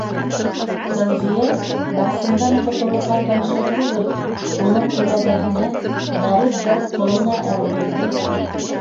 Фәүзиә-Барсындан ҡотолорға тырышыу түгел, уның күләгәһенә, ғәрип бер ҡолона әүерелде...